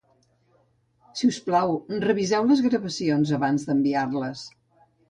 Sisplau, reviseu les gravacions abans d'enviar-les